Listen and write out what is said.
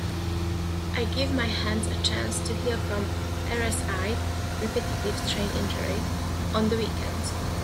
I give my hands a chance to heal from RSI (Repetitive Strain Injury) on the weekends.